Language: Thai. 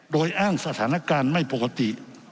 โดยอ้างสถานการณ์ไม่ปกติ